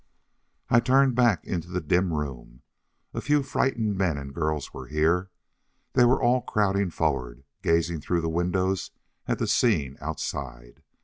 I turned back into the dim room. A few frightened men and girls were here. They were all crowding forward, gazing through the windows at the scene outside.